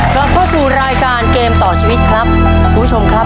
กลับเข้าสู่รายการเกมต่อชีวิตครับคุณผู้ชมครับ